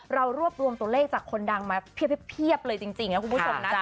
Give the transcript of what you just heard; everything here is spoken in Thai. เรารวบรวมตัวเลขจากคนดังมาเพียบเลยจริงนะคุณผู้ชมนะ